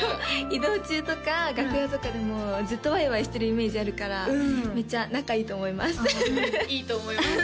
移動中とか楽屋とかでもずっとワイワイしてるイメージあるからめっちゃ仲いいと思いますいいと思います